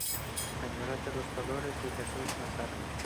Señora de los Dolores" y "Jesús Nazareno".